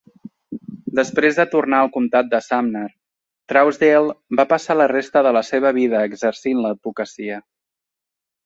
Després de tornar al comtat de Sumner, Trousdale va passar la resta de la seva vida exercint l'advocacia.